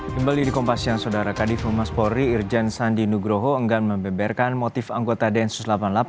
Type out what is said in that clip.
kembali di kompasian saudara kadifumas pori irjen sandi nugroho enggan membeberkan motif anggota densus delapan puluh delapan